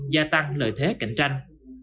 gia tăng lợi thế cạnh tranh